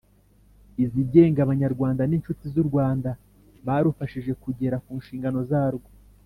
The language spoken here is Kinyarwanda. izigenga, abanyarwanda n’inshuti z’u rwanda barufashije kugera ku nshingano zarwo.